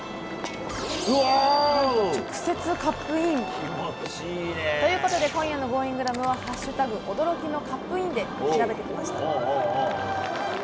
何と直接カップイン！ということで今夜のＧｏｉｎｇｒａｍは「＃驚きのカップイン」で調べてきました。